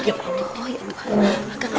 jangan makan ya